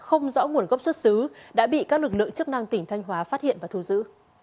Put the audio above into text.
không rõ nguồn gốc xuất xứ đã bị các lực lượng chức năng tỉnh thanh hóa phát hiện và thu giữ